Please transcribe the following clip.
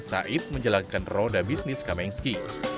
said menjalankan roda bisnis kamengski